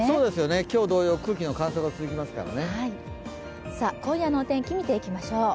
今日同様、空気の乾燥が続きますからね。